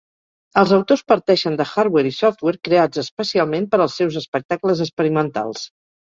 Els autors parteixen de hardware i software creats especialment per als seus espectacles experimentals.